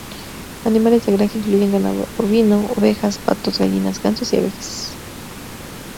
Animales de granja incluyendo ganando bovino, ovejas, patos, gallinas, gansos, y abejas.